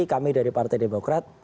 kami dari partai demokrat